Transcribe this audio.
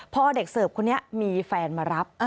พอเด็กเสิร์ฟคนนี้มีแฟนมารับ